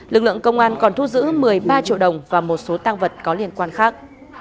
lực lượng công an còn thu giữ một mươi ba triệu đồng và một số tăng vật có liên quan khác